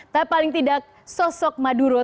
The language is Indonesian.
tapi paling tidak sosok maduro